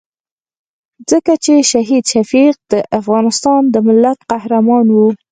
ځکه چې شهید شفیق د افغانستان د ملت قهرمان وو.